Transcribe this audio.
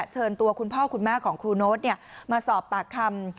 เชิญตัวคุณพ่อคุณแม่ของครูโน๊ตมาสอบปากคำ